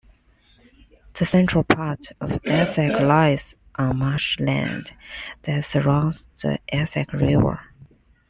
The central part of Essex lies on marsh land that surrounds the Essex River.